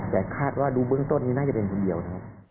แต่คาดว่าดูเบื้องต้นนี้น่าจะเป็นคนเดียวนะครับ